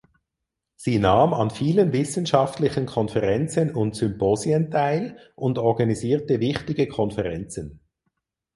Sie nahm an vielen wissenschaftlichen Konferenzen und Symposien teil und organisierte wichtige Konferenzen.